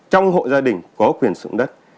trong hộ gia đình có quyền sử dụng đất